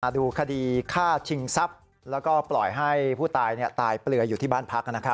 ดูคดีฆ่าชิงทรัพย์แล้วก็ปล่อยให้ผู้ตายตายเปลืออยู่ที่บ้านพัก